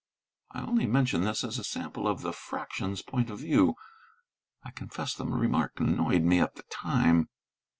I only mention this as a sample of the Fraction's point of view. I confess the remark annoyed me at the time.